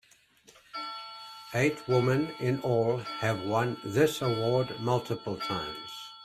Eight women in all have won this award multiple times.